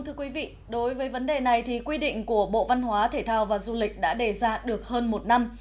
thưa quý vị đối với vấn đề này thì quy định của bộ văn hóa thể thao và du lịch đã đề ra được hơn một năm